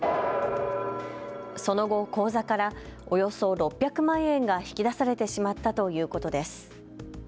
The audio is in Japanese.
その後、口座からおよそ６００万円が引き出されてしまったということです。